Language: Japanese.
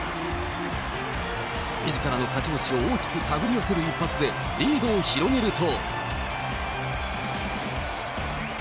みずからの勝ち星を大きくたぐりよせる一発で、リードを広げると。